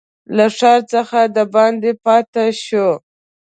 له ښار څخه دباندي پاته شو.